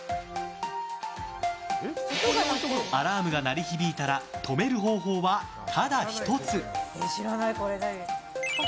アラームが鳴り響いたら止める方法は、ただ１つ！